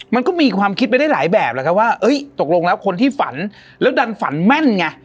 มันก็มีความคิดไปได้หลายแบบแหละครับว่าตกลงแล้วคนที่ฝันแล้วดันฝันแม่นไง